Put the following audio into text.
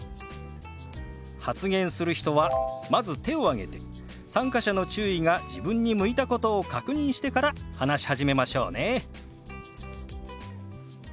発言する人はまず手を挙げて参加者の注意が自分に向いたことを確認してから話し始めましょうね。